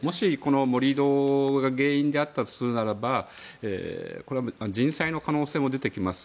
盛り土が原因だったとするならば人災の可能性も出てきます。